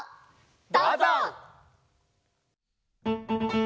どうぞ！